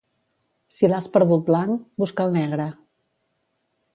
Si l'has perdut blanc, busca'l negre.